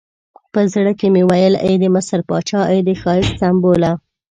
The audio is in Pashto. په زړه کې مې ویل ای د مصر پاچا، ای د ښایست سمبوله.